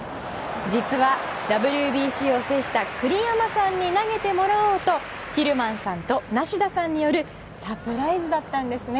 実は、ＷＢＣを制した栗山さんに投げてもらおうとヒルマンさんと梨田さんによるサプライズだったんですね。